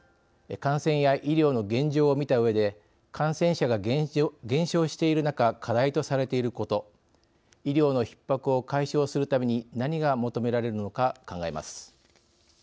感染や医療の現状を見たうえで感染者が減少している中課題とされていること医療のひっ迫を解消するために何が求められるのか、考えます。